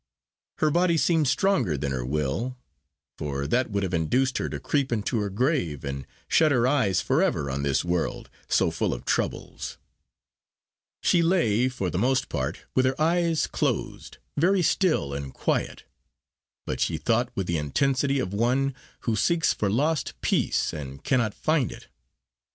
Her body seemed stronger than her will; for that would have induced her to creep into her grave, and shut her eyes for ever on this world, so full of troubles. She lay, for the most part, with her eyes closed, very still and quiet; but she thought with the intensity of one who seeks for lost peace, and cannot find it.